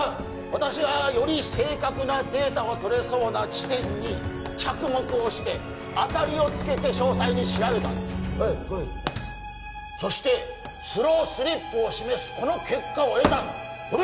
私はより正確なデータが取れそうな地点に着目をして当たりをつけて詳細に調べたんだおい来いそしてスロースリップを示すこの結果を得たんだ